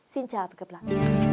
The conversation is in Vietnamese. xin chào và hẹn gặp lại